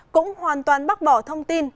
cũng hoàn toàn bác bỏ thông tin